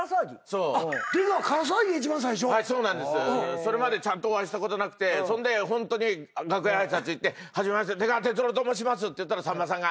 それまでちゃんとお会いしたことなくてそんでホントに楽屋挨拶行って「初めまして出川哲朗と申します」って言ったらさんまさんが。